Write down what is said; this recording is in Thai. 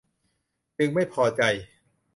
จึงไม่พอใจ